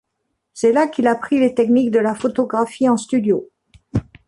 C'est là qu'il apprit les techniques de la photographie en studio.